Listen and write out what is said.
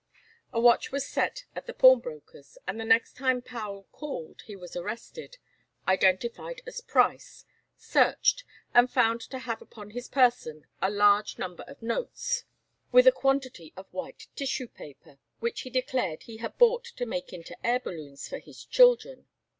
A watch was set at the pawnbroker's, and the next time Powel called he was arrested, identified as Price, searched, and found to have upon his person a large number of notes, with a quantity of white tissue paper, which he declared he had bought to make into air balloons for his children.